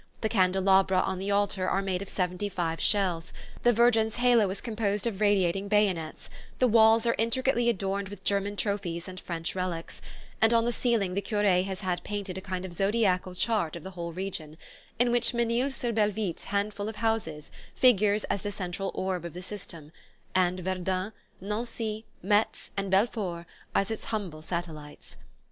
The candelabra on the altar are made of "Seventy five" shells, the Virgin's halo is composed of radiating bayonets, the walls are intricately adorned with German trophies and French relics, and on the ceiling the cure has had painted a kind of zodiacal chart of the whole region, in which Menil sur Belvitte's handful of houses figures as the central orb of the system, and Verdun, Nancy, Metz, and Belfort as its humble satellites.